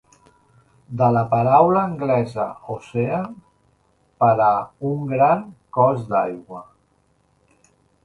De la paraula anglesa "ocean" per a "un gran cos d'aigua".